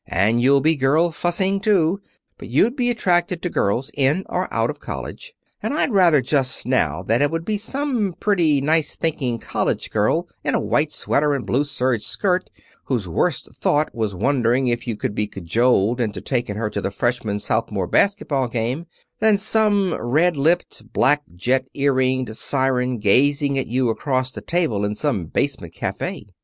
And you'll be girl fussing, too. But you'd be attracted to girls, in or out of college, and I'd rather, just now, that it would be some pretty, nice thinking college girl in a white sweater and a blue serge skirt, whose worst thought was wondering if you could be cajoled into taking her to the Freshman Sophomore basketball game, than some red lipped, black jet earringed siren gazing at you across the table in some basement cafe.